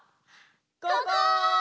ここ！